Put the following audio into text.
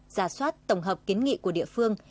giả soát tổng hợp kiến nghị của địa phương